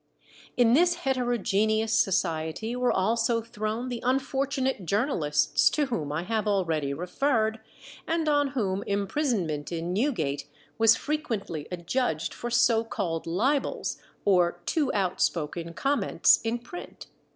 In this heterogeneous society were also thrown the unfortunate journalists to whom I have already referred, and on whom imprisonment in Newgate was frequently adjudged for so called libels, or too out spoken comments in print.